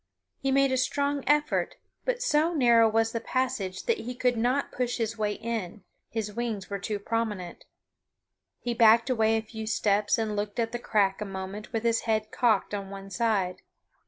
He made a strong effort, but so narrow was the passage that he could not push his way in; his wings were too prominent. He backed away a few steps and looked at the crack a moment with his head cocked on one side.